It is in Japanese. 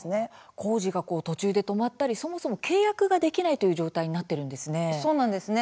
工事が途中で止まったりそもそも契約ができないという状態なんですね。